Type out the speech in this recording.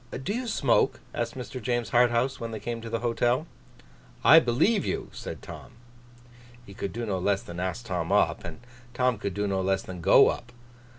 'Do you smoke?' asked Mr. James Harthouse, when they came to the hotel. 'I believe you!' said Tom. He could do no less than ask Tom up; and Tom could do no less than go up.